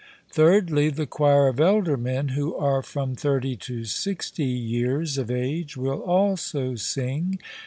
Thirdly, the choir of elder men, who are from thirty to sixty years of age, will also sing.